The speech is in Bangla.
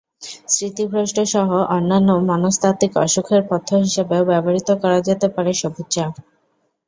স্মৃতিভ্রষ্টসহ অন্যান্য মনস্তাত্ত্বিক অসুখের পথ্য হিসেবেও ব্যবহূত করা যেতে পারে সবুজ চা।